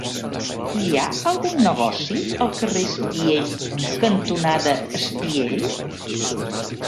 Hi ha algun negoci al carrer Espiell cantonada Espiell?